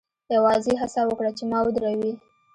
یوازې هڅه وکړه چې ما ودروې